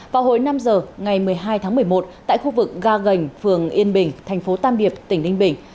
vào hồi năm giờ ngày một mươi hai tháng một mươi một tại khu vực ga gành phường yên bình thành phố tam điệp tỉnh ninh bình